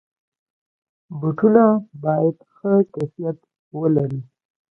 بوټونه باید ښه کیفیت ولري.